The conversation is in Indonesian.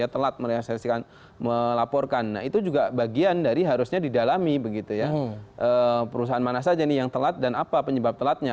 telat melaporkan nah itu juga bagian dari harusnya didalami perusahaan mana saja nih yang telat dan apa penyebab telatnya